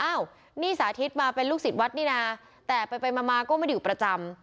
อ้าวนี่สาธิตมาเป็นลูกศิษย์วัดนี่นะแต่ไปมาก็ไม่ได้อยู่ประจำ